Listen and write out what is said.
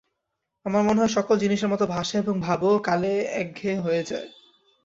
আমার মনে হয়, সকল জিনিষের মত ভাষা এবং ভাবও কালে একঘেয়ে হয়ে যায়।